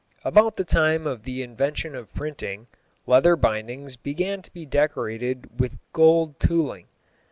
About the time of the invention of printing, leather bindings began to be decorated with gold tooling.